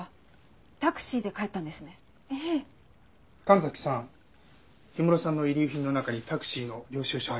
神崎さん氷室さんの遺留品の中にタクシーの領収書あります。